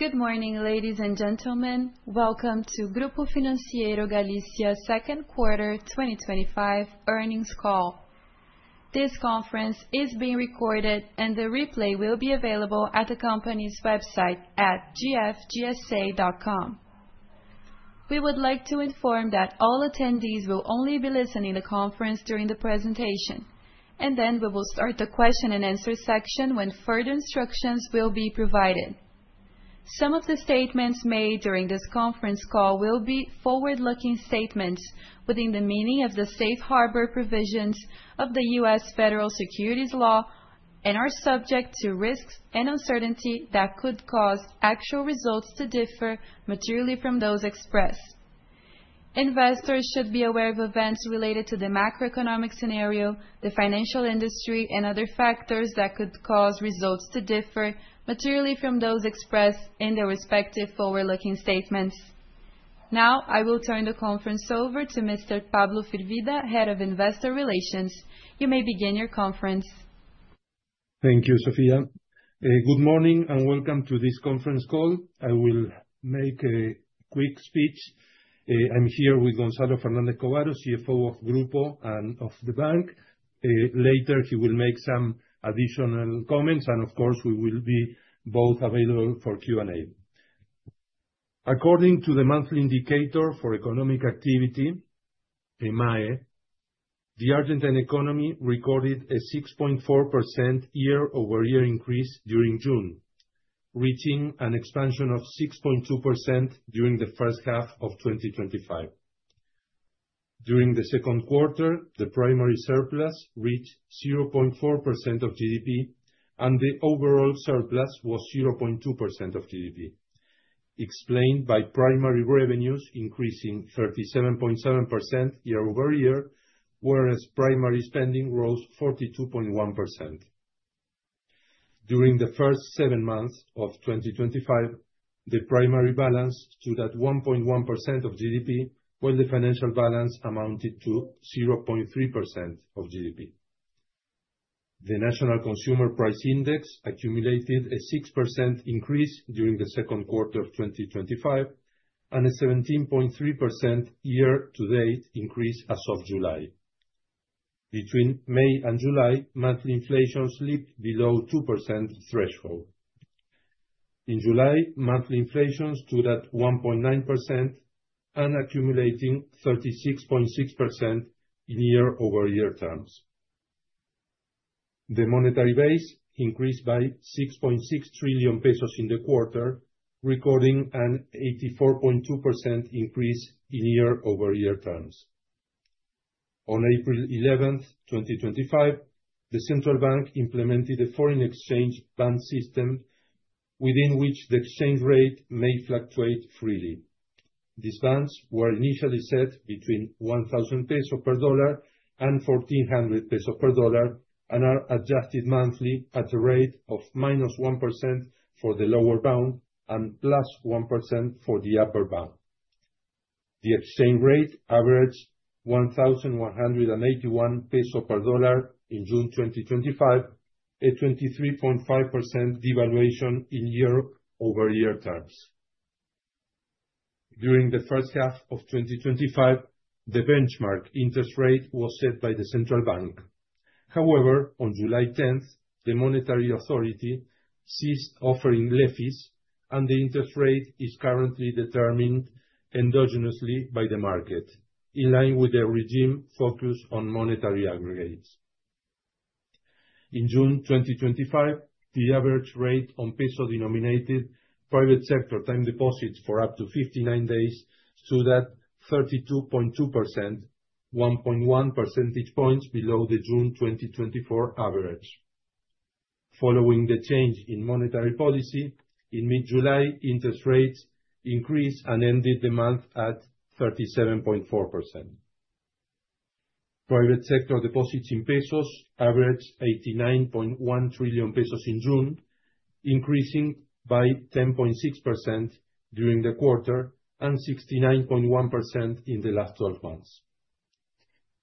Good morning, ladies and gentlemen. Welcome to Grupo Financiero Galicia Second Quarter 2025 Earnings Call. This conference is being recorded, and the replay will be available at the company's website at gfgsa.com. We would like to inform that all attendees will only be listening to the conference during the presentation, and then we will start the question and answer section, when further instructions will be provided. Some of the statements made during this conference call will be forward-looking statements within the meaning of the safe harbor provisions of the U.S. federal securities law and are subject to risks and uncertainty that could cause actual results to differ materially from those expressed. Investors should be aware of events related to the macroeconomic scenario, the financial industry, and other factors that could cause results to differ materially from those expressed in their respective forward-looking statements. Now I will turn the conference over to Mr. Pablo Firvida, Head of Investor Relations. You may begin your conference. Thank you. Sophia, good morning and welcome to this conference call. I will make a quick speech. I'm here with Gonzalo Fernández Covaro, CFO of Grupo and of the Bank. Later he will make some additional comments, and of course we will be both available for Q and A. According to the monthly indicator for economic activity, MIEA. The. Argentine economy recorded a 6.4% year-over-year increase during June, reaching an expansion of 6.2% during the first half of 2025. During the second quarter, the primary surplus reached 0.4% of GDP, and the overall surplus was 0.2% of GDP, explained by primary revenues increasing 37.7% year-over-year, whereas primary spending rose 42.1%. During the first seven months of 2025, the primary balance stood at 1.1% of GDP, while the financial balance amounted to 0.3% of GDP. The National Consumer Price Index accumulated a 6% increase during the second quarter 2025 and a 17.3% year to date increase as of July. Between May and July, monthly inflation slipped below the 2% threshold. In July, monthly inflation stood at 1.9%, accumulating 36.6% in year-over-year terms. The monetary base increased by 6.6 trillion pesos in the quarter, recording an 84.2% increase in year-over-year terms. On April 11, 2025, the central bank implemented a foreign exchange bond system within which the exchange rate may fluctuate freely. These bonds were initially set between 1,000 pesos per dollar and 1,400 pesos per dollar and are adjusted monthly at a rate of -1% for the lower bound and +1% for the upper bound. The exchange rate averaged 1,181 pesos per dollar in June 2025, a 23.5% devaluation in year-over-year terms. During the first half of 2025, the benchmark interest rate was set by the central bank. However, on July 10, the monetary authority ceased offering levies, and the interest rate is currently determined endogenously by the market in line with the regime focus on monetary aggregates. In June 2025, the average rate on peso denominated private sector time deposits for up to 59 days stood at 32.2%, 1.1 percentage points below the June 2024 average. Following the change in monetary policy in mid July, interest rates increased and ended the month at 37.4%. Private sector deposits in pesos averaged 89.1 trillion pesos in June, increasing by 10.6% during the quarter and 69.1% in the last 12 months.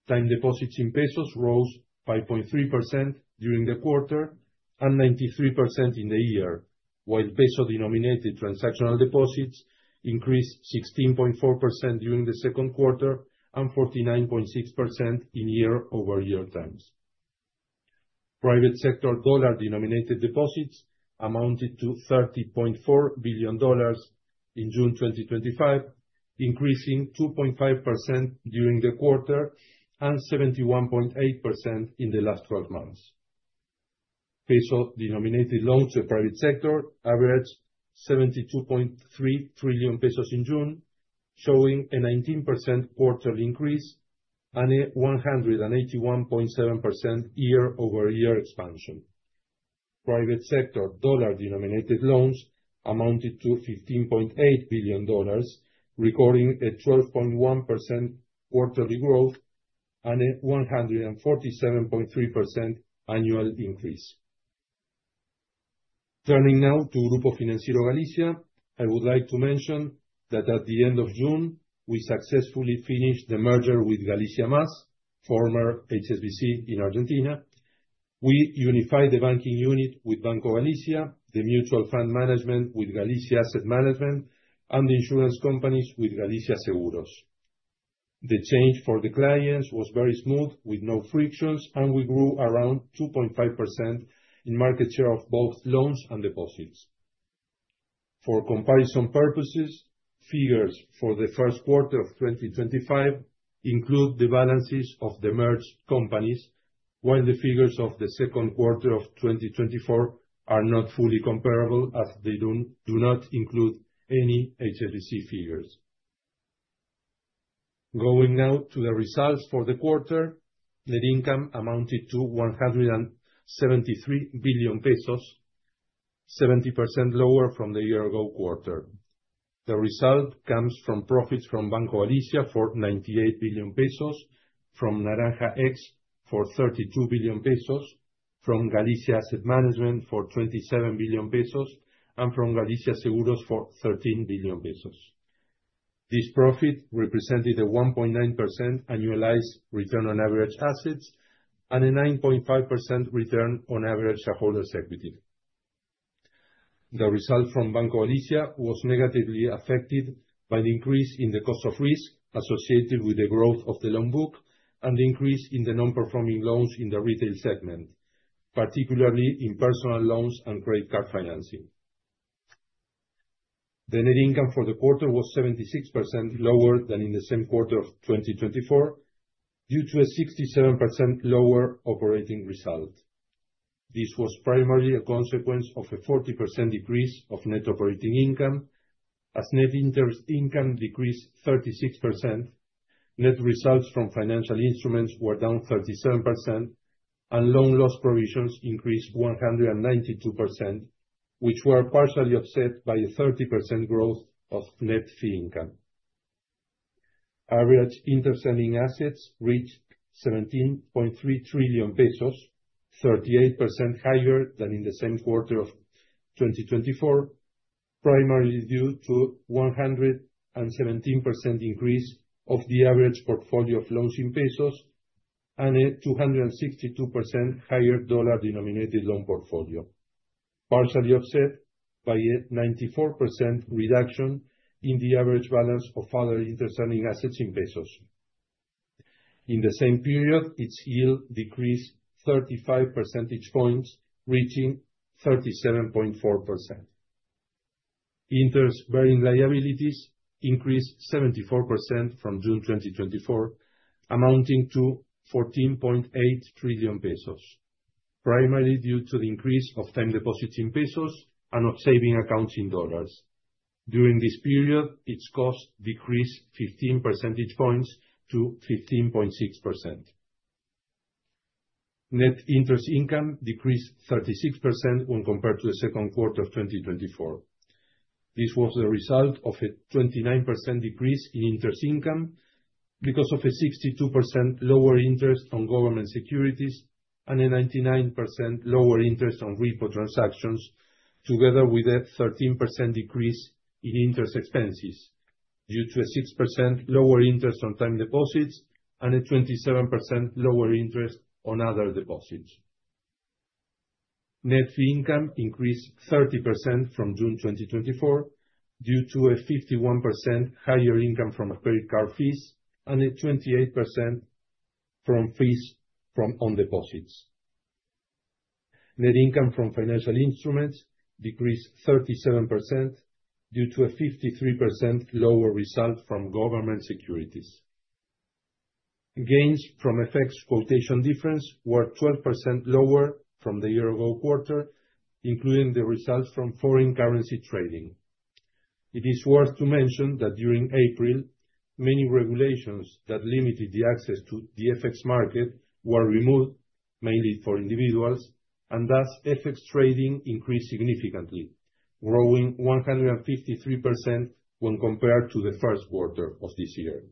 Time deposits in pesos rose 5.3% during the quarter and 93% in the year, while peso denominated transactional deposits increased 16.4% during the second quarter and 49.6% in year-over-year terms. Private sector dollar denominated deposits amounted to $30.4 billion in June 2025, increasing 2.5% during the quarter and 71.8% in the last 12 months. Peso denominated loans to the private sector averaged 72.3 trillion pesos in June, showing a 19% quarterly increase and a 181.7% year-over-year expansion. Private sector dollar denominated loans amounted to $15.8 billion, recording a 12.1% quarterly growth and 147.3% annual increase. Turning now to Grupo Financiero Galicia, I would like to mention that at the end of June we successfully finished the merger with Galicia Más, former HSBC Argentina. We unified the banking unit with Banco Galicia, the mutual fund management with Galicia Asset Management, and the insurance companies with Galicia Seguros. The change for the clients was very smooth, with no frictions, and we grew around 2.5% in market share of both loans and deposits. For comparison purposes, figures for the first quarter of 2025 include the balances of the merged companies, while the figures of the second quarter of 2024 are not fully comparable as they do not include any HSBC figures. Going now to the results for the quarter, net income amounted to 173 billion pesos, 70% lower from the year ago quarter. The result comes from profits from Banco Galicia for 98 billion pesos, from Naranja X for 32 billion pesos, from Galicia Asset Management for 27 billion pesos and from Galicia Seguros for 13 billion pesos. This profit represented a 1.9% annualized return on average assets and a 9.5% return on average shareholders' equity. The result from Banco Galicia was negatively affected by the increase in the cost of risk associated with the growth of the loan book and the increase in the non-performing loans in the retail segment, particularly in personal loans and credit card financing. The net income for the quarter was 76% lower than in the same quarter of 2024 due to a 67% lower operating result. This was primarily a consequence of a 40% decrease of net operating income as net interest income decreased 36%. Net results from financial instruments were down 37% and loan loss provisions increased 192%, which were partially offset by a 30% growth of net fee income. Average interest earning assets reached 17.3 trillion pesos, 38% higher than in the same quarter of 2024, primarily due to a 117% increase of the average portfolio of loans in pesos and a 262% higher dollar denominated loan portfolio, partially offset by a 94% reduction in the average balance of other interest earning assets in pesos. In the same period, its yield decreased 35 percentage points reaching 37.4%. Interest-bearing liabilities increased 74% from June 2024, amounting to 14.8 trillion pesos, primarily due to the increase of time deposits in pesos and of saving accounts in dollars. During this period, its cost decreased 15 percentage points to 15.6%. Net interest income decreased 36% when compared to the second quarter of 2024. This was the result of a 29% decrease in interest income because of a 62% lower interest on government securities and a 99% lower interest on repo transactions, together with a 13% decrease in interest expenses due to a 6% lower interest on time deposits and a 27% lower interest on other deposits. Net fee income increased 30% from June 2024 due to a 51% higher income from credit card fees and a 28% increase from fees on deposits. Net income from financial instruments decreased 37% due to a 53% lower result from government securities. Gains from FX quotation difference were 12% lower from the year-ago quarter and included the results from foreign currency trading. It is worth mentioning that during April, many regulations that limited the access to the FX market were removed, mainly for individuals, and thus FX trading increased significantly, growing 153% when compared to the first quarter of this year.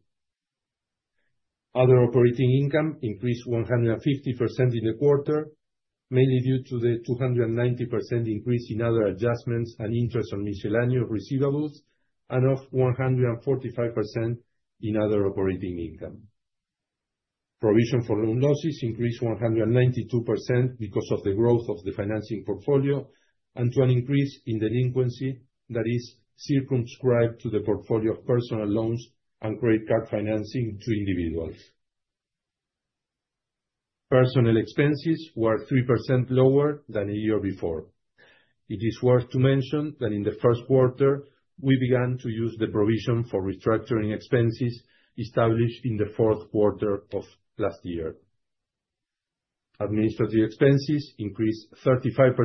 Other operating income increased 150% in the quarter, mainly due to the 290% increase in other adjustments and interest on miscellaneous receivables and a 145% increase in other operating income. Provision for loan losses increased 192% because of the growth of the financing portfolio and an increase in delinquency that is circumscribed to the portfolio of personal loans and credit card financing to individuals. Personnel expenses were 3% lower than a year before. It is worth mentioning that in the first quarter, we began to use the provision for restructuring expenses established in the fourth quarter of last year. Administrative expenses increased 35%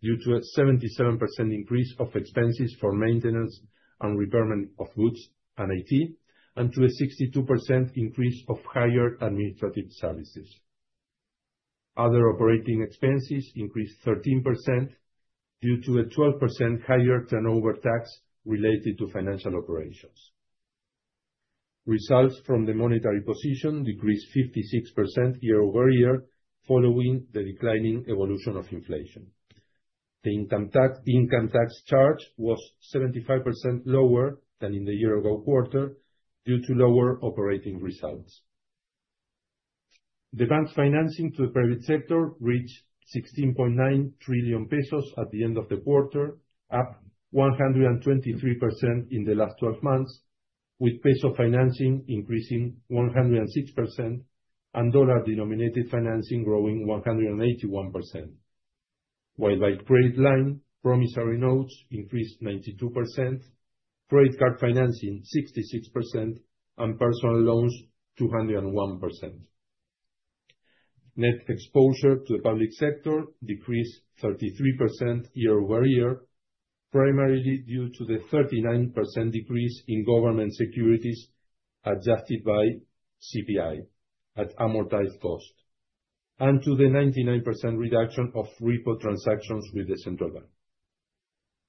due to a 77% increase of expenses for maintenance and repair of goods and IT and a 62% increase of hired administrative services. Other operating expenses increased 13% due to a 12% higher turnover tax related to financial operations. Results from the monetary position decreased 56% year-over-year following the declining evolution of inflation. The income tax charge was 75% lower than in the year-ago quarter due to lower operating results. The bank's financing to the private sector reached 16.9 trillion pesos at the end of the quarter, up 123% in the last 12 months, with peso financing increasing 106% and dollar-denominated financing growing 181%, while by credit line promissory notes increased 92%, credit card financing 66%, and personal loans 201%. Net exposure to the public sector decreased 33% year-over-year, primarily due to the 39% decrease in government securities adjusted by CPI at amortized cost and to the 99% reduction of repo transactions with the central bank.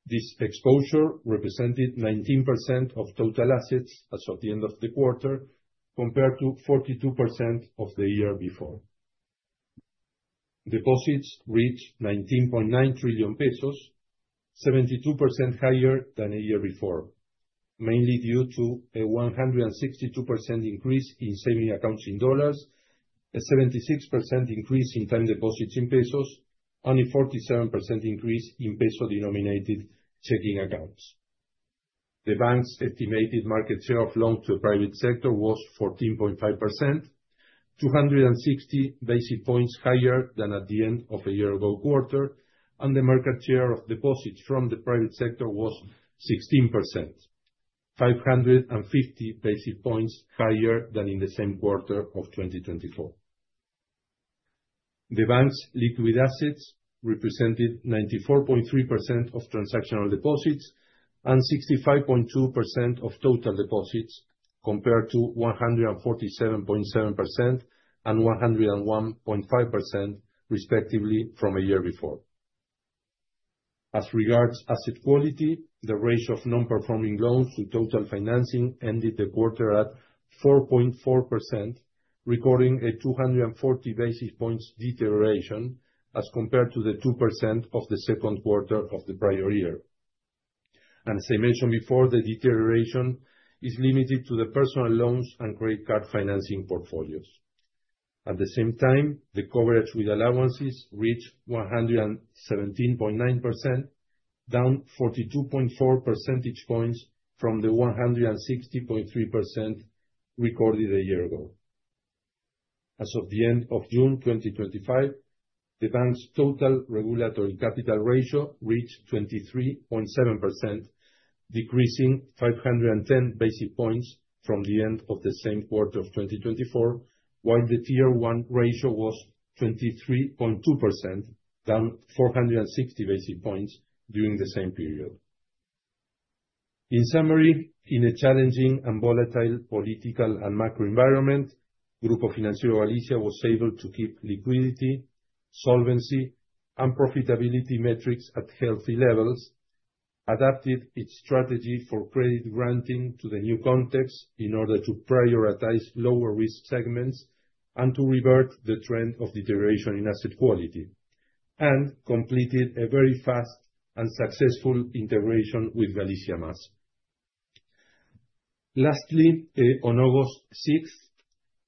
This exposure represented 19% of total assets as of the end of the quarter, compared to 42% of the year before. Deposits reached 19.9 trillion pesos, 72% higher than a year before, mainly due to a 162% increase in savings accounts in dollars, a 76% increase in time deposits in pesos, and a 47% increase in peso-denominated checking accounts. The bank's estimated market share of loans to the private sector was 14.5%, 260 basis points higher than at the end of a year-ago quarter, and the market share of deposits from the private sector was 16%, 550 basis points higher than in the same quarter of 2024. The bank's liquid assets represented 94.3% of transactional deposits and 65.2% of total deposits, compared to 147.7% and 101.5% respectively from a year before. As regards asset quality, the ratio of non-performing loans to total financing ended the quarter at 4.4%, recording a 240 basis points deterioration as compared to the 2% of the second quarter of the prior year. The deterioration is limited to the personal loans and credit card financing portfolios. At the same time, the coverage with allowances reached 117.9%, down 42.4 percentage points from the 160.3% recorded a year ago. As of the end of June 2025, the bank's total regulatory capital ratio reached 23.7%, decreasing 510 basis points from the end of the same quarter of 2024, while the tier 1 ratio was 23.2%, down 460 basis points during the same period. In summary, in a challenging and volatile political and macro environment, Grupo Financiero Galicia was able to keep liquidity, solvency, and profitability metrics at healthy levels, adapted its strategy for credit granting to the new context in order to prioritize lower risk segments and to revert the trend of deterioration in asset quality, and completed a very fast and successful integration with Galicia Mas. Lastly, on August 6th,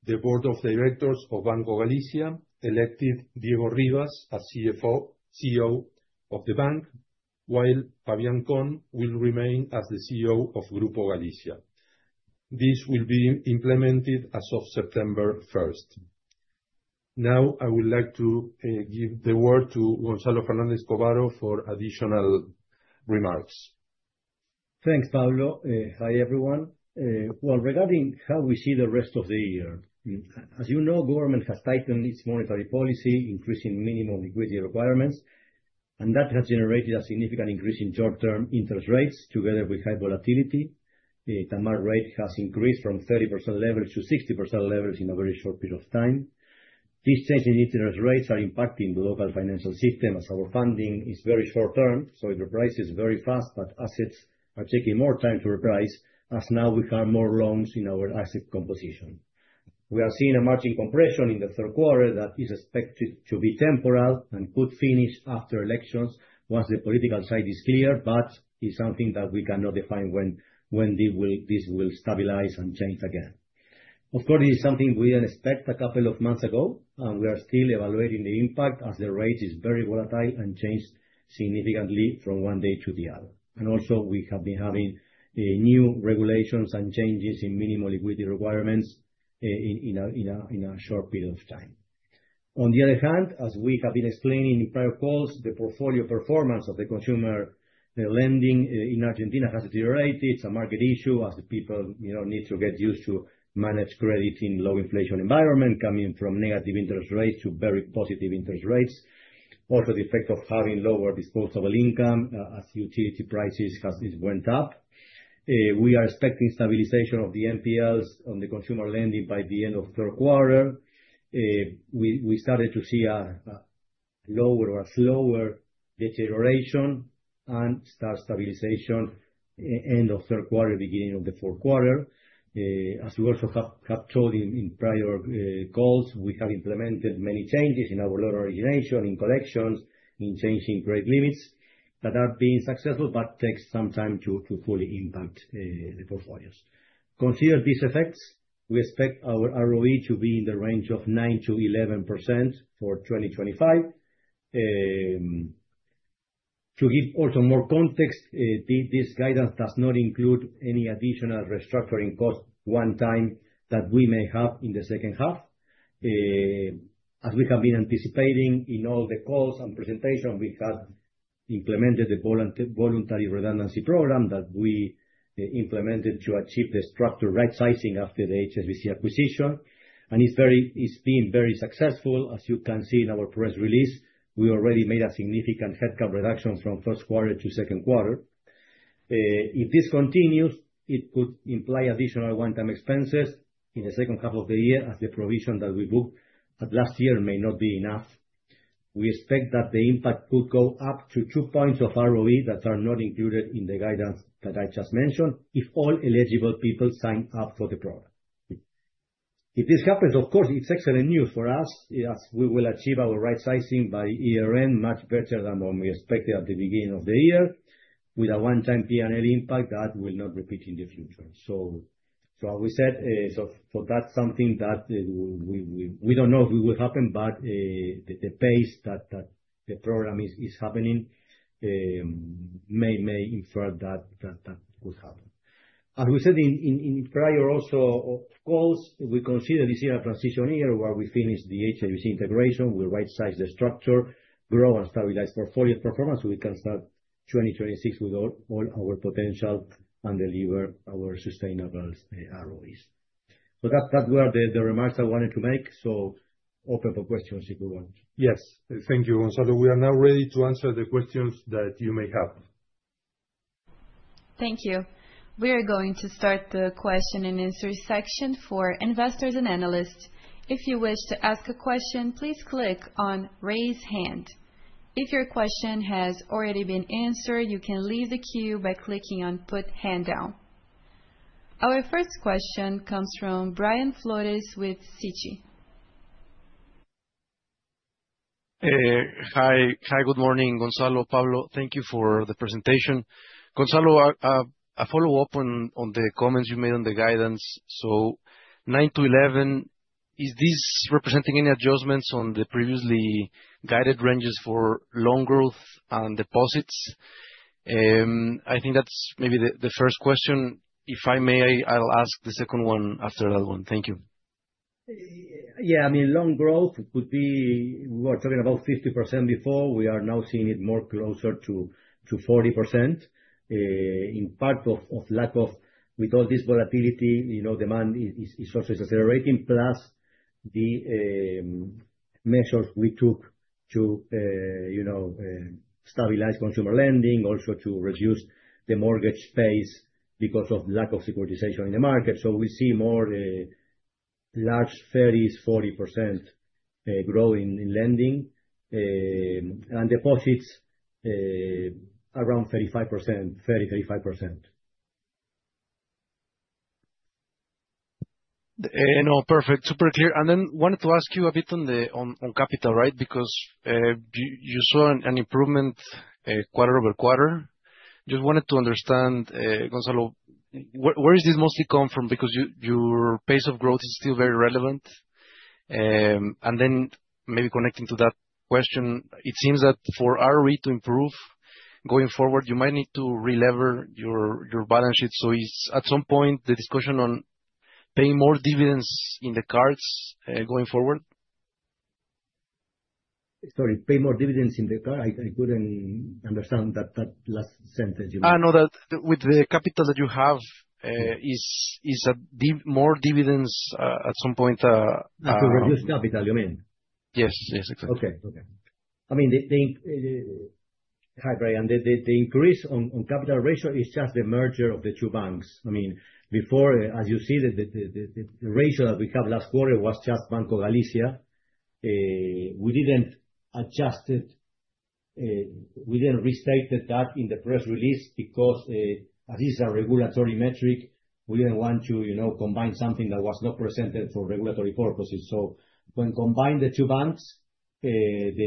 the Board of Directors of Grupo Financiero Galicia elected Diego Rivas as CFO of the bank, while Fabián Kon will remain as the CEO of Grupo Galicia. This will be implemented as of September 1st. Now I would like to give the word to Gonzalo Fernández Covaro for additional remarks. Thanks, Pablo. Hi everyone. Regarding how we see the rest of the year, as you know, government has tightened its monetary policy, increasing minimum liquidity requirements, and that has generated a significant increase in short-term interest rates. Together with high volatility, the market rate has increased from 30% levels to 60% levels in a very short period of time. These changes in interest rates are impacting the local financial system as our funding. Is very short term, so it reprices. Very fast, but assets are taking more time to reprice as now we have more loans in our asset composition. We are seeing a margin compression in the third quarter that is expected to be temporal and could finish after elections once the political side is clear, but it is something that we cannot define when this will stabilize and change again. Of course, it is something we expected a couple of months ago and we are still evaluating the impact as the rate is very volatile and changed significantly from one day to the other, and also we have been having new regulations and changes in minimal equity requirements in a short period of time. On the other hand, as we have been explaining in prior calls, the portfolio performance of the consumer lending in Argentina has deteriorated. It's a market issue as the people need to get used to managed credit in a low inflation environment coming from negative interest rates to very positive interest rates. Also, the effect of having lower disposable income as utility prices went up. We are expecting stabilization of the NPLs on the consumer lending by the end of the third quarter. We started to see lower or slower deterioration and start stabilization end of third quarter beginning of the fourth quarter. As we also have told in prior calls, we have implemented many changes in our loan origination, in collections, in changing rate limits that are being successful but take some time to fully impact the portfolios. Consider these effects. We expect our ROE to be in the range of 9%-11% for 2025. To give also more context, this guidance does not include any additional restructuring cost one time that we may have in the second half. As we have been anticipating in all the calls and presentations, we have implemented the voluntary redundancy program that we implemented to achieve the structure rightsizing after the HSBC Argentina acquisition and it's been very successful. As you can see in our press release, we already made a significant headcount reduction from first quarter to second quarter. If this continues, it could imply additional one time expenses in the second half of the year as the provision that we booked at last year may not be enough, we expect that the impact could go up to two points of ROE that are not included in the guidance that I just mentioned if all eligible people sign up for the product. If this happens, of course it's excellent news for us as we will achieve our rightsizing by year end much better than what we expected at the beginning of the year, with a one-time P&L impact that will not repeat in the future. As we said, that's something that we don't know if it will happen, but the pace that the program is happening may infer that it will happen. As we said in prior calls, we consider this is a transition year where we finish the HSBC Argentina integration. We right size the structure, grow and stabilize portfolio performance so we can start 2026 with all our potential and deliver our sustainable ROEs. Those were the remarks I wanted to make. Open for questions if we want. Yes, thank you, Gonzalo. We are now ready to answer the questions that you may have. Thank you. We are going to start the question and answer section for investors and analysts. If you wish to ask a question, please click on Raise hand. If your question has already been answered, you can leave the queue by clicking on Put hand down. Our first question comes from Brian Flores with Citi. Hi. Hi. Good morning. Gonzalo. Pablo, thank you for the presentation. Gonzalo, a follow-up on the comments you made on the guidance. So 9%-11%. Is this representing any adjustments on the previously guided ranges for loan growth and deposits? I think that's maybe the first question. If I may, I'll ask the second. One after that one. Thank you. Yeah, I mean, loan growth would be, we're talking about 50% before. We are now seeing it more, closer to 40%, in part because this volatility demand is also accelerating. Plus, the measures we took to stabilize consumer lending, also to reduce the mortgage space because of lack of securitization in the market. We see more large 30%s, 40% growing in lending and deposits around 35%, 30%, 35%. Perfect. Super clear. I wanted to ask you a bit on the. On. On capital. Right, because you saw an improvement quarter over quarter. Just wanted to understand, Gonzalo, where does this mostly come from? Because you. Your pace of growth is still very relevant. Maybe connecting to that question, it seems that for ROE to improve going forward, you might need to re-lever your balance sheet. At some point, the discussion on paying more dividends is in the cards going forward. Sorry, pay more dividends in the card. I couldn't understand that last sentence. I know that with the capital that. You have is more dividends at some point. To reduce capital, you mean? Yes, yes, exactly. Okay, okay. Hi, Brian. The increase on capital ratio is just the merger of the two banks. Before, as you see, the ratio that we have last quarter was just Banco Galicia. We didn't adjust it. We didn't restate that in the press release, because that is a regulatory metric. We didn't want to combine something that was not presented for regulatory purposes. When combined, the two banks, the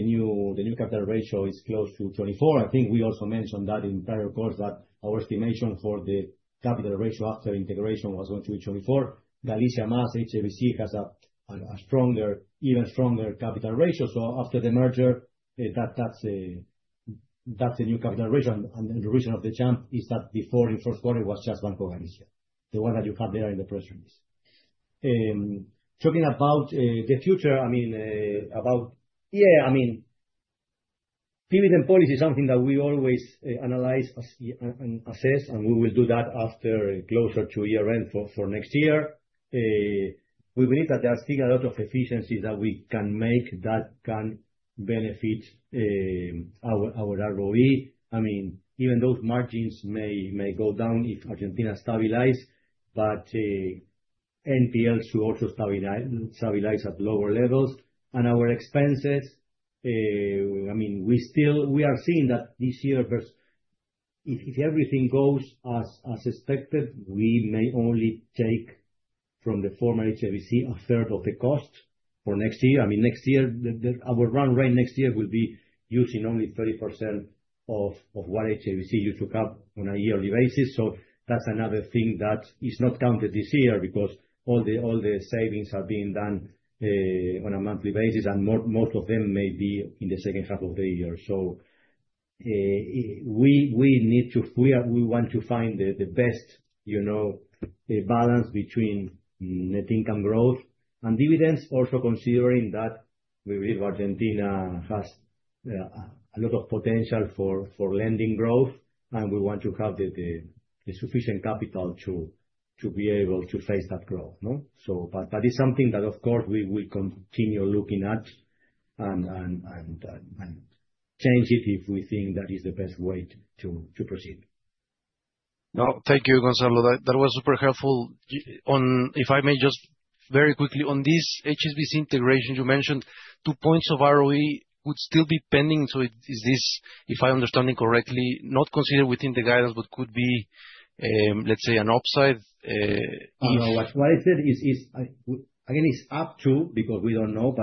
new capital ratio is close to 24%. I think we also mentioned that in prior calls that our estimation for the capital ratio after integration was going to be 24%. Galicia Más, HSBC has a stronger, even stronger capital ratio. After the merger, that's a new capital ratio. The reason of the jump is that before in fourth quarter was just Banco Galicia, the one that you have there in the press rooms talking about the future. Policy is something that we always analyze and assess and we will do that after closer to year end for next year. We believe that there are still a lot of efficiencies that we can make that can benefit our ROE. Even those margins may go down if Argentina stabilizes. NPLs should also stabilize at lower levels and our expenses, we are seeing that this year, if everything goes as expected, we may only take from the former HSBC a third of the cost for next year. Next year, our run rate next year will be using only 30% of what HSBC used to have on a yearly basis. That's another thing that is not counted this year because all the savings are being done on a monthly basis and most of them may be in the second half of the year. We want to find the best balance between net income growth and dividends, also considering that we believe Argentina has a lot of potential for lending growth and we want to have the sufficient capital to be able to face that growth. That is something that of course we will continue looking at. Change it. If we think that is the best way to proceed. No, thank you, Gonzalo, that was super helpful. If I may, just very quickly on this HSBC integration, you mentioned two points of ROE would still be pending. Is this, if I understand it correctly, not considered within the guidance, but could be, let's say, an upside? No, what I said is again it's up to. Because we don't know.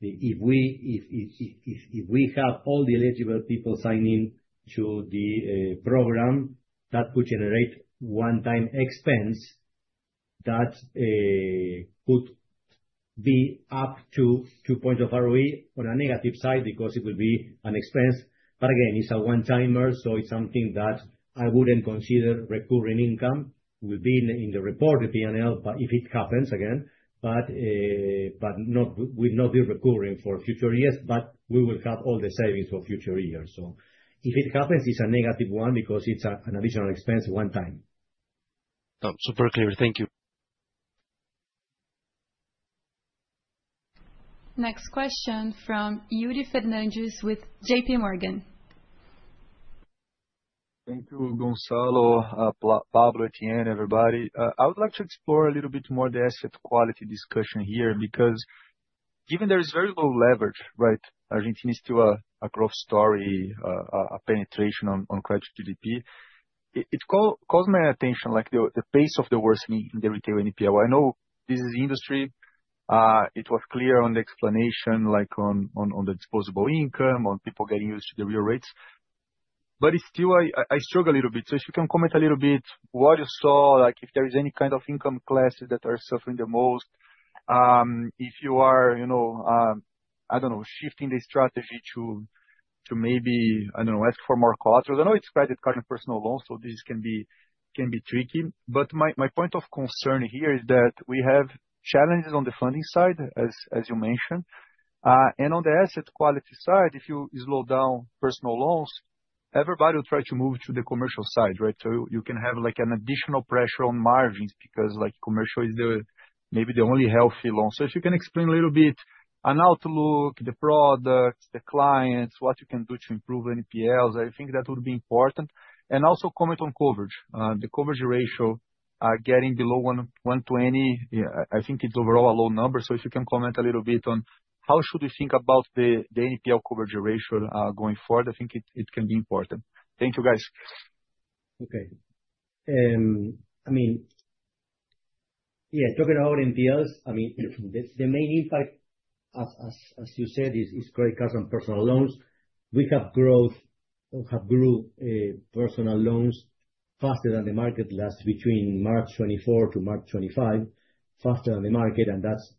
If we have all the eligible people signing to the program, that could generate a one-time expense that could be up to 2 points of ROE on a negative side because it will be an expense. Again, it's a one-timer, so it's something that I wouldn't consider recurring. Income will be in the report, the P&L. If it happens, it will not be recurring for future years, but we will have all the savings for future years. If it happens, it's a negative one because it's an additional expense, one time. Super clear. Thank you. Next question from Yuri Fernandes with JPMorgan. Thank you, Gonzalo, Pablo, Etienne, everybody. I would like to explore a little bit more the asset quality discussion here because given there is variable leverage, right. Argentina is still a growth story, a penetration on credit GDP. It calls my attention like the pace of the worsening in the retail NPL. I know this is industry. It was clear on the explanation, like on the disposable income, on people getting. Used to the real rates. I struggle a little bit. If you can comment a little bit what you saw, like if there is any kind of income classes that are suffering the most, if you are, you know, I don't know, shifting the strategy to maybe, I don't know, ask for more collateral. I know it's credit card and personal loans, so this can be tricky. My point of concern here is that we have challenges on the funding side, as you mentioned, and on the asset quality side. If you slow down personal loans, everybody will try to move to the commercial side. Right. You can have like an additional pressure on margins because commercial is maybe the only healthy loan. If you can explain a little bit an outlook, the products, the clients, what you can do to improve NPLs, I think that would be important. Also, comment on coverage, the coverage ratio getting below 1,120. I think it's overall a low number. If you can comment a little bit on how should we think about the NPL coverage ratio going forward, I think it can be important. Thank you guys. Okay. I mean, yeah, talking about NPLs, the main impact, as you said, is credit cards and personal loans. We have grown personal loans faster than the market between March 2024 to March 2025, faster than the market. That's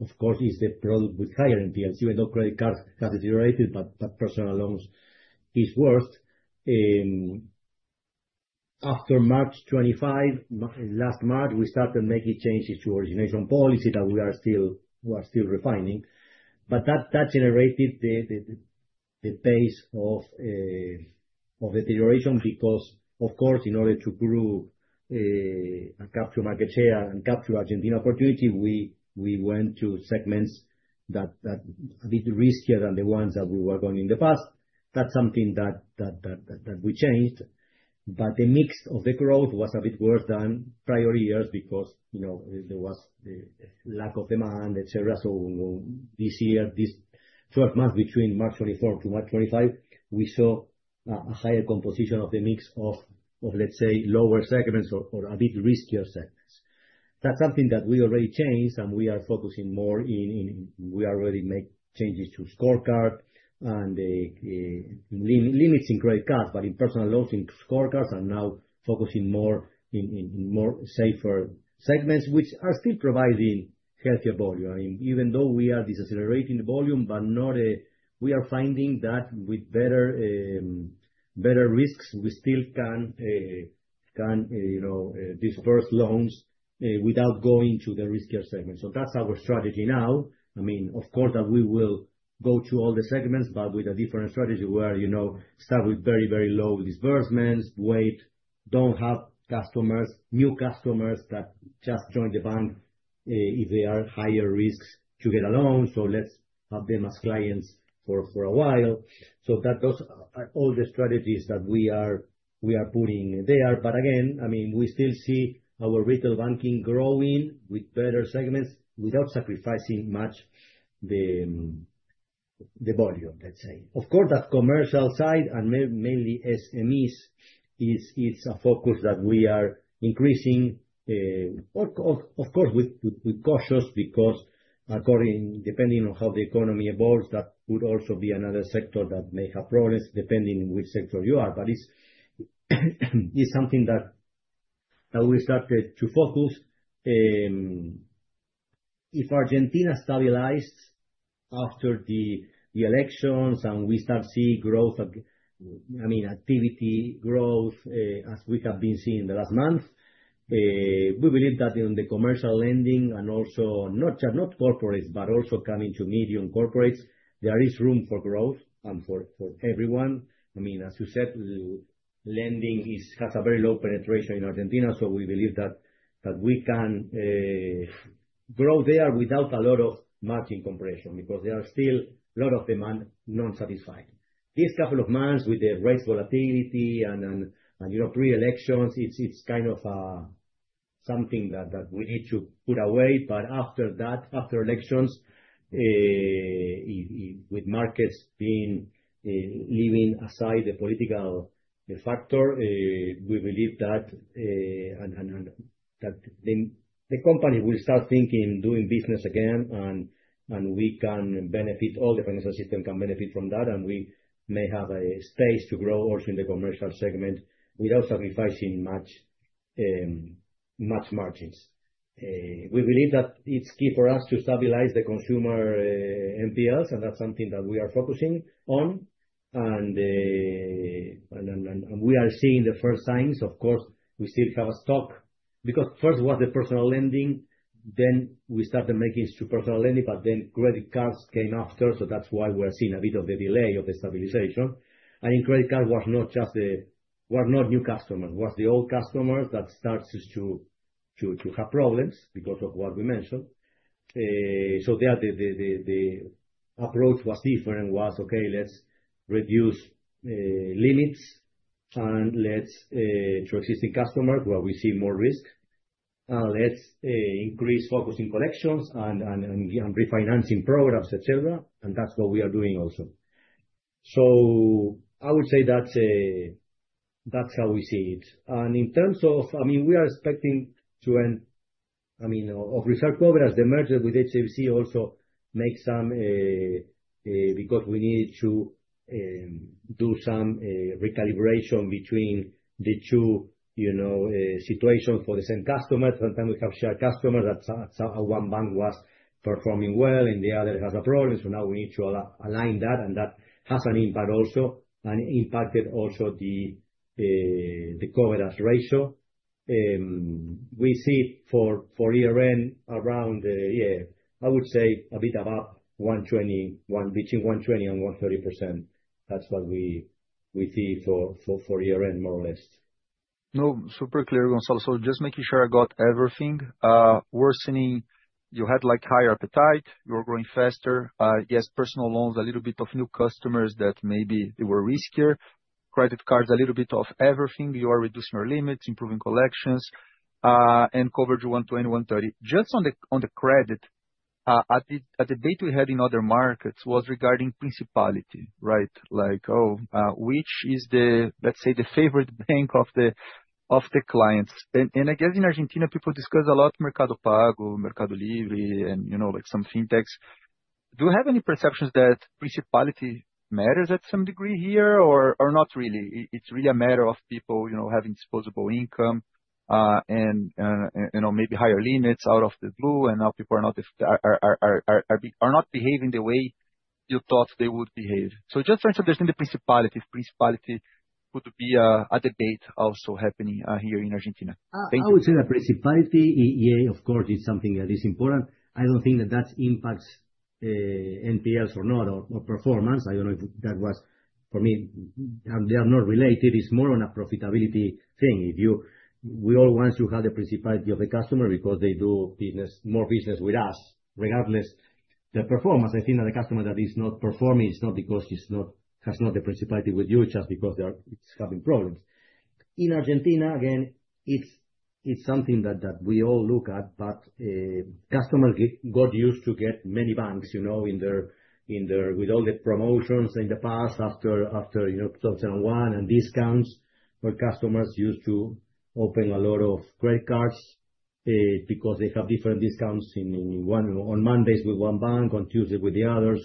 of course the problem with higher NPLs, even though credit cards have deteriorated. Personal loans are worse after March 2025. Last March we started making changes to origination policy that we are still refining, but that generated the pace of deterioration because, of course, in order to capture market share and capture Argentina opportunity, we went to segments that are a bit riskier than the ones that we were going in the past. That's something that we changed. The mix of the growth was a bit worse than prior years because there was lack of demand, etc. This year, these 12 months between March 2024-March 2025, we saw a higher composition of the mix of, let's say, lower segments or a bit riskier segment. That's something that we already changed and we are focusing more in. We already made changes to scorecard and limits in credit cards, but in personal loans, scorecards are now focusing more in more safer segments which are still providing healthier volume, even though we are decelerating the volume. We are finding that with better risks we still can, you know, disperse loans without going to the riskier segment. That's our strategy now. Of course, we will go through all the segments but with a different strategy where you start with very, very low disbursements, wait, don't have customers, new customers that just joined the bank if they are higher risks to get a loan. Let's have them as clients for a while. Those are all the strategies that we are putting there. Again, we still see our retail banking growing with better segments without sacrificing much the volume. The commercial side and mainly SMEs is a focus that we are increasing, of course with caution, depending on how the economy evolves. That would also be another sector that may have problems depending on which sector you are. It is something that we started to focus if Argentina stabilized after the elections and we start seeing growth, I mean activity growth as we have been seeing in the last month. We believe that in the commercial lending and also not corporates, but also coming to medium corporates, there is room for growth and for everyone. I mean, as you said, lending has a very low penetration in Argentina. We believe that we can grow there without a lot of margin compression, because there is still a lot of demand not satisfied. This couple of months with the rates, volatility, and pre-elections, it's kind of something that we need to put away. After elections, with markets leaving aside the political factor, we believe that the company will start thinking about doing business again and we can benefit, all the financial system can benefit from that. We may have a space to grow also in the commercial segment without sacrificing much margins. We believe that it's key for us to stabilize the consumer NPLs, and that's something that we are focusing on. We are seeing the first signs. Of course, we still have a stock because first was the personal lending, then we started making super lending, but then credit cards came after. That's why we're seeing a bit of the delay of the stabilization. In credit card, it was not just the new customer, it was the old customer that starts to have problems because of what we mentioned. The approach was different, was okay, let's reduce limits and let's transition customer where we see more risk, let's increase focus in collections and refinancing programs, etc. That's what we are doing also. I would say that that's how we see it. In terms of, I mean, we are expecting to end, I mean, of result coverage. The merger with HSBC also makes some, because we need to do some recalibration between the two situations for the same customer. Sometimes we have shared customers that one bank was performing well and the other has a problem. Now we need to align that and that has an impact also and impacted also the coverage ratio. We see for year end around, I would say, a bit about 121%, between 120% and 130%. That's what we see for year end more or less. No. Super clear, Gonzalo. Just making sure I got everything worsening. You had higher appetite, you were growing faster. Yes. Personal loans, a little bit of new customers that maybe they were riskier. Credit cards, a little bit of everything. You are reducing your limits, improving collections and coverage. 120%, 130% just on the credit at the date we had in other markets was regarding Principality, right. Like oh which is the, let's say, the favorite bank of the clients. I guess in Argentina people discuss a lot Mercado Pago, Mercado Libre, and you know, like some fintechs. Do you have any perceptions that Principality matters at some degree here or not really? It's really a matter of people having disposable income and maybe higher limits out of the blue. Now people are not behaving the way you thought they would behave. Just for instance, the Principality could be a debate also happening here in Argentina. I would say that principality of course is something that is important. I don't think that that impacts NPLs or not or performance. I don't know if that was for me. They are not related. It's more on a profitability thing. We all want to have the principality of the customer because they do more business with us. Regardless the performance, I think that the customer that is not performing, it's not. Because it's not. It's not the principal issue with you just because it's having problems in Argentina. It's something that we all look at. A customer got used to get many banks in there with all the promotions in the past after 2001 and discounts where customers used to open a lot of credit cards because they had different discounts, one on Mondays with one bank, on Tuesday with the other.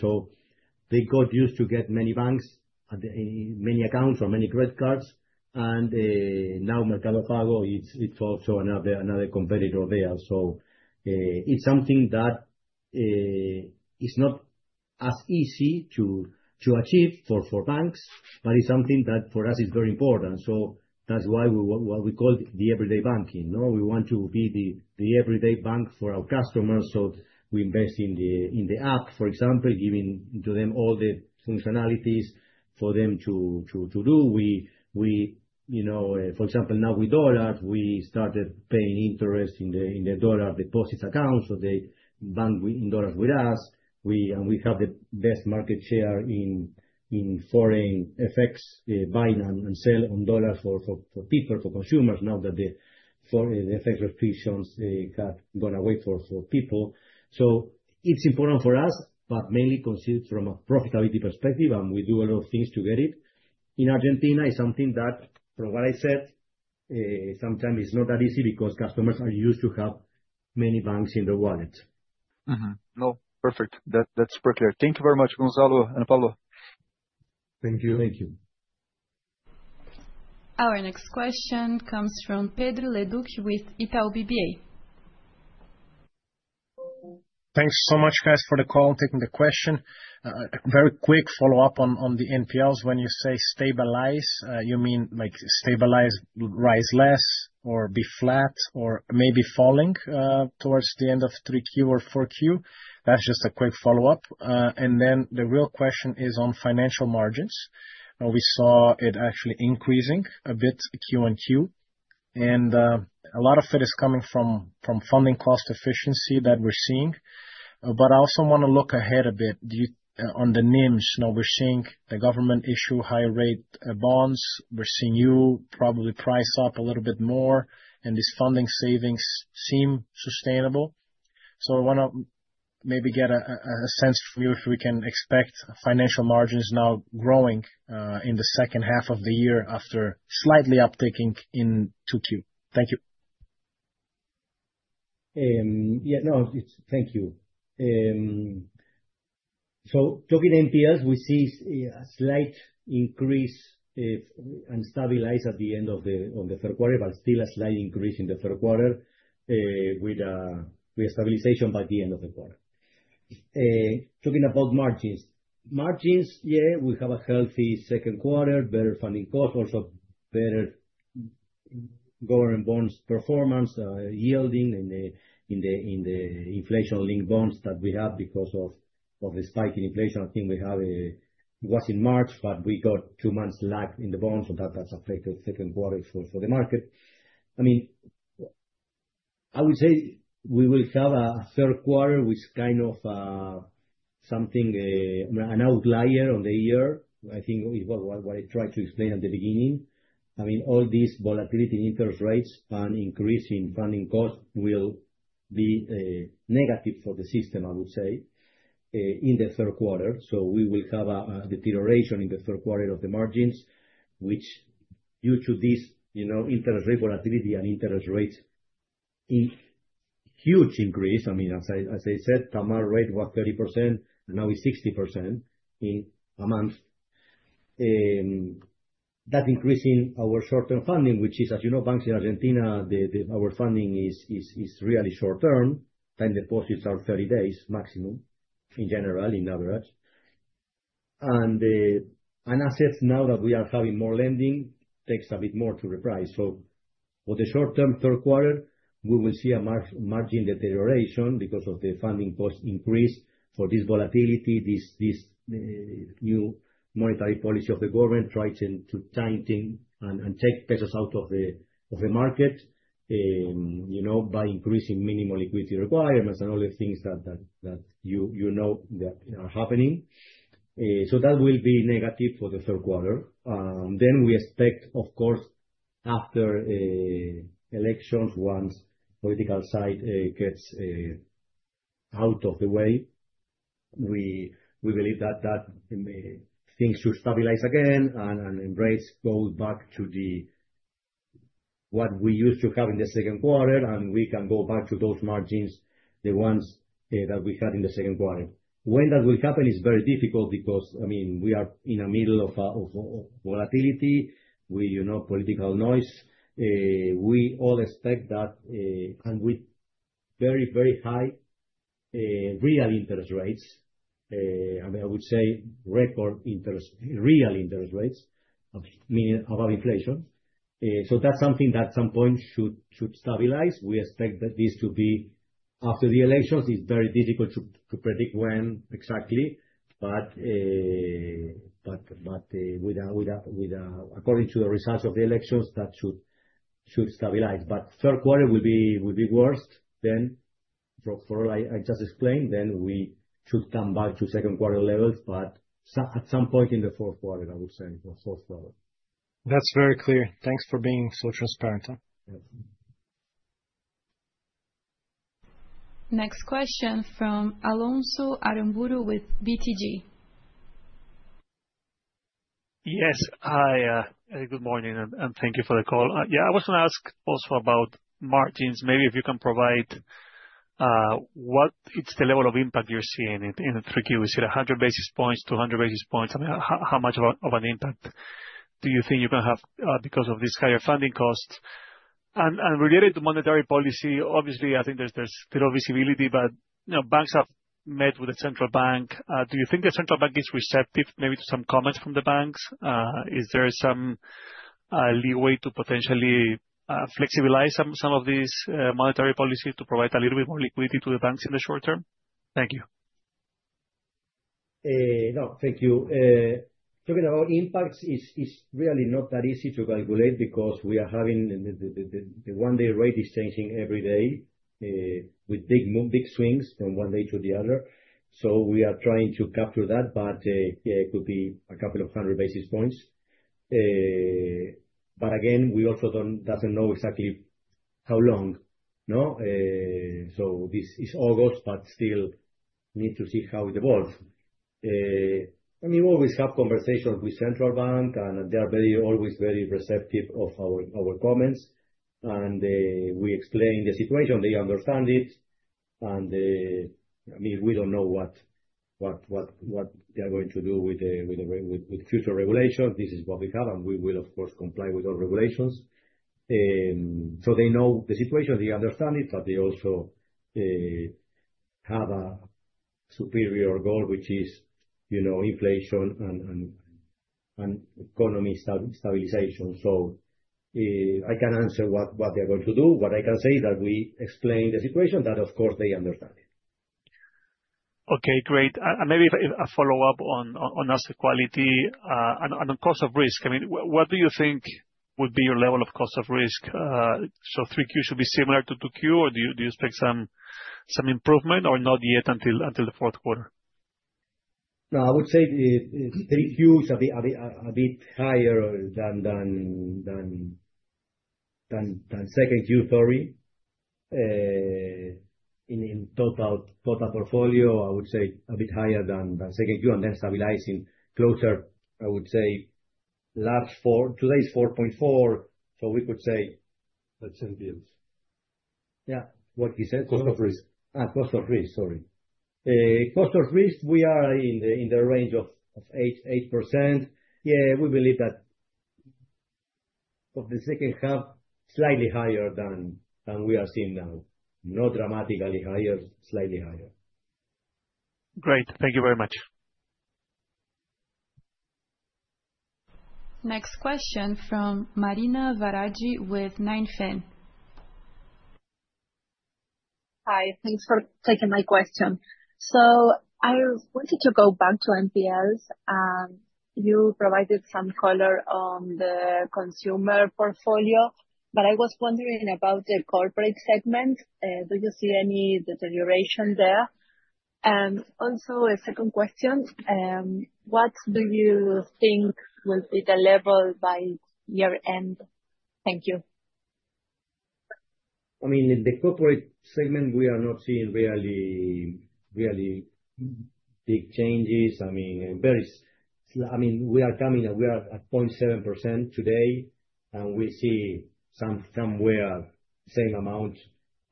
They got used to get many banks, many accounts, or many credit cards. Now Mercado Pago is also another competitor there. It's something that is not as easy to achieve for banks, but it's something that for us is very important. That's why we call it the everyday banking. We want to be the everyday bank for our customers. We invest in the app, for example, giving to them all the functionalities for them to do. For example, now with dollars, we started paying interest in the dollar deposits account. They bank in dollars with us, and we have the best market share in foreign FX buy and sell on dollars for people, for consumers now that the FX restrictions have gone away for people. It's important for us, but mainly conceived from a profitability perspective, and we do a lot of things to get it. In Argentina, sometimes it's not that easy because customers are used to have many banks in the wallet. No, perfect, that's prepared. Thank you very much, Gonzalo and Pablo. Thank you. Thank you. Our next question comes from Pedro Leduc with Itaú BBA Corretora de Valores S.A. Thanks so much, Cass, for the call and taking the question. Very quick follow-up on the NPLs. When you say stabilize, you mean like stabilize, rise less, or be flat, or maybe falling towards the end of 3Q or 4Q? That's just a quick follow-up. The real question is on financial margins. We saw it actually increasing a bit Q-on-Q, and a lot of it is coming from funding cost efficiency that we're seeing. I also want to look ahead a bit on the NIMs. We're seeing the government issue high-rate bonds. We're seeing you probably price up a little bit more, and these funding savings seem sustainable. I want to maybe get a sense for you if we can expect financial margins now growing in the second half of the year after slightly upticking in 2Q. Thank you. Yeah, no, thank you. Talking NPLs, we see a slight increase unstabilized at the end of the third quarter, but still a slight increase in the third quarter with stabilization by the end of the quarter. Still talking about margins. Margins, yeah, we have a healthy second quarter, better funding cost, also better government bonds performance yielding in the inflation linked bonds that we have because of the spiking inflation I think we had was in March, but we got two months lag in the bond. That's affected second quarter for the market. I would say we will have a third quarter with kind of something an outlier on the year. I think it was what I tried to explain at the beginning. All this volatility in interest rates and increasing funding cost will be negative for the system I would say in the third quarter. We will have a deterioration in the third quarter of the margins which due to this interest rate volatility and interest rates huge increase. As I said, Tamar rate was 30% now it's 60% in a month. That increasing our short term funding which is as you know banks in Argentina our funding is really short term, time deposits are 30 days maximum in general in average and assets now that we are having more lending takes a bit more to reprice. For the short term third quarter we will see a margin deterioration because of the funding cost increase for this volatility. This new monetary policy of the government tries to tighten and take pesos out of the market by increasing minimal liquidity requirements and all the things that you know are happening. That will be negative for the third quarter. We expect of course after elections, once political side gets out of the way, we believe that things should stabilize again and embrace both back to what we used to have in the second quarter and we can go back to those margins, the ones that we had in the second quarter. When that will happen is very difficult because we are in the middle of volatility, political noise. We all expect that. With very, very high real interest rates, I would say record real interest rates meaning above inflation. That's something that at some point should stabilize. We expect that this should be after the elections, it's very difficult to predict when exactly. According to the results of the elections that should stabilize. Third quarter will be worse, then for I just explained, then we should come back to second quarter levels. At some point in the fourth quarter I would say fourth quarter. That's very clear. Thanks for being so transparent. Next question from Alonso Acuna Aramburú with BTG Pactual S.A. Yes, hi, good morning and thank you for the call. I was going to ask also about margins. Maybe if you can provide what is the level of impact you're seeing in the 3Q? Is it 100 basis points, 200 basis points? How much of an impact do you think you can have because of these higher funding costs and related to monetary policy? Obviously I think there's still visibility, but banks have met with the central bank. Do you think the central bank is receptive maybe to some comments from the banks? Is there some leeway to potentially flexibilize some of these monetary policy to provide a little bit more liquidity to the banks in the short term? Thank you. No, thank you. Talking about impacts is really not that easy to calculate because we are having the one day rate is changing every day with big swings from one day to the other. We are trying to capture that, but it could be a couple of hundred basis points. Again, we also don't know exactly how long. This is August, but still need to see how it evolves. We always have conversations with the central bank and they are very, always very receptive of our comments and we explain the situation, they understand it. I mean, we don't know what they are going to do with future regulations. This is what we have and we will of course comply with all regulations. They know the situation, they understand it. They also have a superior goal, which is, you know, inflation and economy stabilization. I can't answer what they're going to do. What I can say is that we explain the situation, that of course they understand it. Okay, great. Maybe a follow up on asset quality and on cost of risk. What do you think would be your level of cost of risk? 3Q should be similar to 2Q, or do you expect some improvement or not yet until the fourth quarter? No, I would say the third Q should be a bit higher than second Q. Sorry. In top out portfolio I would say a bit higher than the second Q and then stabilizing closer, I would say last four, today is 4.4. So we could say that's ambience. Yeah, what you said, cost of risk. Sorry, cost of risk. We are in the range of 8%. Yeah, we believe that for the second half, slightly higher than we are seeing now. Not dramatically higher, slightly higher. Great, thank you very much. Next question from Marina Varadji with Ninefin. Hi, thanks for taking my question. I wanted to go back to NPLs. You provided some color on the consumer portfolio, but I was wondering about the corporate segment. Do you see any deterioration there? Also, a second question. What do you think will be the level by year end? Thank you. In the corporate segment we are not seeing really big changes. We are at 0.7% today and we see somewhere same amount.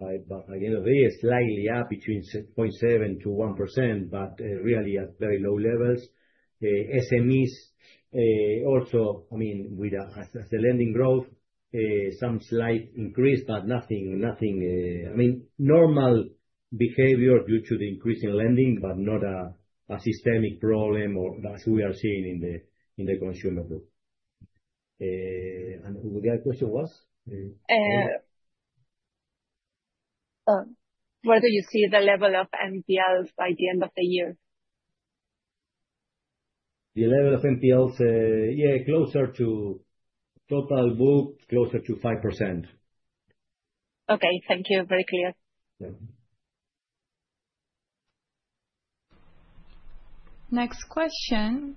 At the end of the day, slightly up between 0.7% to 1% but really at very low levels. SMEs also, with the lending growth, some slight increase but nothing, nothing. Normal behavior due to the increase in lending but not a systemic problem. We are seeing in the consumer book and the other question was. Where do you see the level of NPLs by the end of the year? The level of NPLs? Yeah, closer to total book, closer to 5%. Okay, thank you. Next question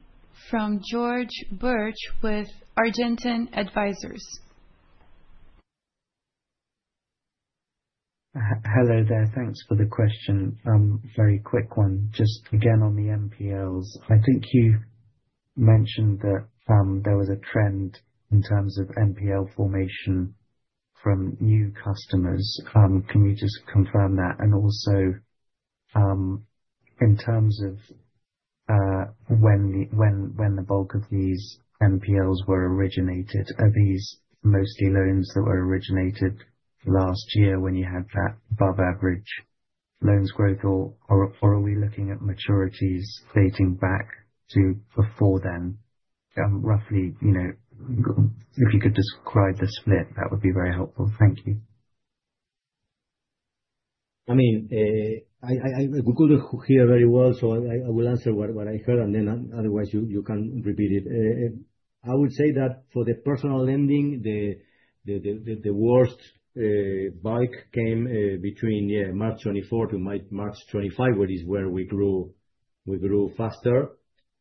from George Burch with Argentine Advisors. Hello there. Thanks for the question. Very quick one. Just again on the NPLs, I think you mentioned that there was a trend in terms of NPL formation from new customers. Can we just confirm that? Also, in terms of when the bulk of these NPLs were originated, are these mostly loans that were originated last year when you had that above average loans growth or are we looking at maturities dating back to before then? Roughly, you know, if you could describe the split that would be very helpful. Thank you. I mean we could hear very well. I will answer what I heard and then otherwise you can repeat it. I would say that for the personal lending the worst spike came between March 2024-March 2025, which is where we grew faster.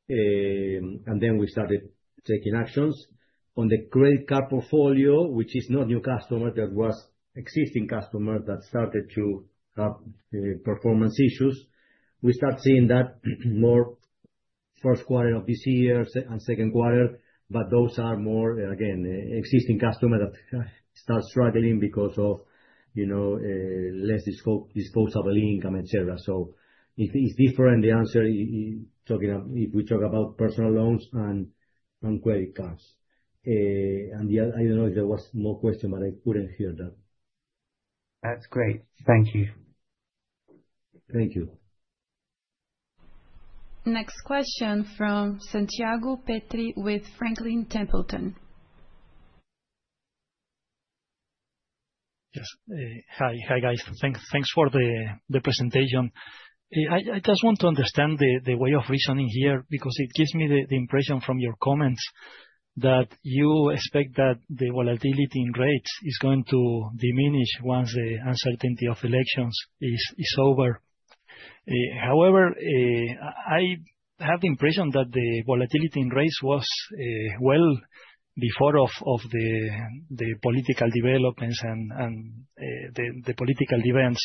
We started taking actions on the credit card portfolio, which is not new customers. That was existing customers that started to have performance issues. We start seeing that more first quarter of this year and second quarter. Those are more again existing customers that start struggling because of, you know, less disposable income, etc. It's different the answer if we talk about personal loans and credit cards. I don't know if there was more question but I couldn't hear that. That's great. Thank you. Thank you. Next question from Santiago Petri with Franklin Templeton. Yes. Hi. Hi, guys. Thanks for the presentation. I just want to understand the way of reasoning here because it gives me the impression from your comments that you expect that the volatility in rates is going to diminish once the uncertainty of elections is over. However, I have the impression that the volatility in rates was well before the political developments and the political events.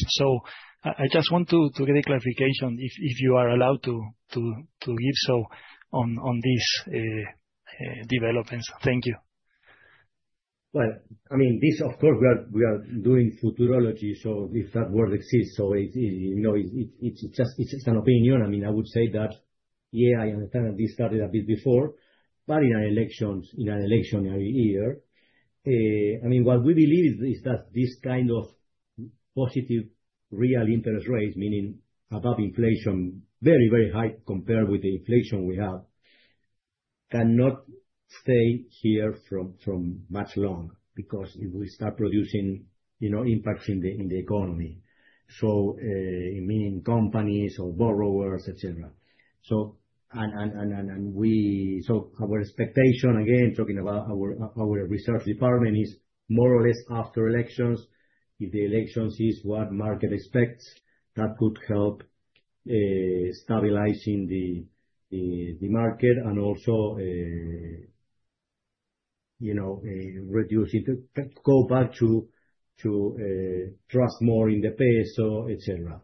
I just want to get a clarification if you are allowed to give so on these developments. Thank you. I mean this, of course, we are doing futurology, if that word exists. It's just an opinion. I would say that, yeah, I understand that this started a bit before, but in our elections, in an election every year, what we believe is that this kind of positive real interest rates, meaning above inflation, very, very high compared with the inflation we have, cannot stay here for much longer because it would start producing impacts in the economy, meaning companies or borrowers, etc. Our expectation, again, talking about our research department, is more or less after elections, if the election is what the market expects, that could help stabilize, reduce it, go back to trust more in the peso, etc.,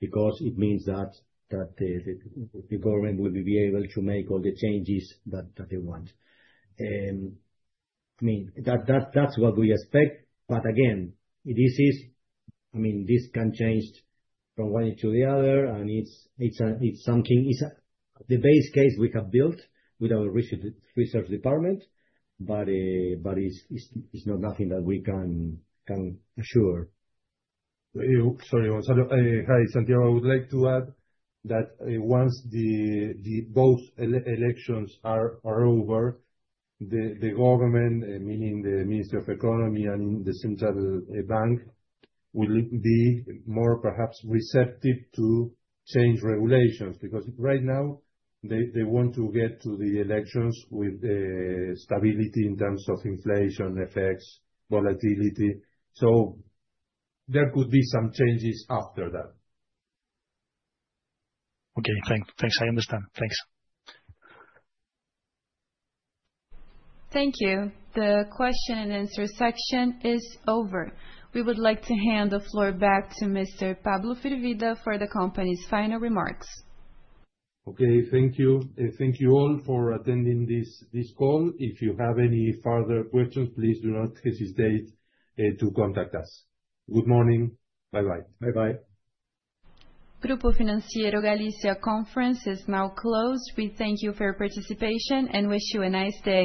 because it means that the government will be able to make all the changes that they want. That's what we expect. Again, this can change from one to the other, and it's something, the base case we have built with our research department, but it's not nothing that we can assure. Hi, Santiago. I would like to add that once both elections are over, the government, meaning the Minister of Economy and the Central Bank, will be more perhaps receptive to change regulations. Right now they want to get to the elections with stability in terms of inflation effects and volatility. There could be some changes after that. Okay, thank. Thanks. I understand. Thanks. Thank you. The question and answer section is over. We would like to hand the floor back to Mr. Pablo Firvida for the company's final remarks. Okay, thank you. Thank you all for attending this call. If you have any further questions, please do not hesitate to contact us. Good morning. Bye-bye. Bye. Bye. Grupo Financiero Galicia Conference is now closed. We thank you for your participation and wish you a nice day.